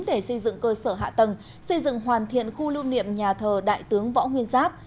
để xây dựng cơ sở hạ tầng xây dựng hoàn thiện khu lưu niệm nhà thờ đại tướng võ nguyên giáp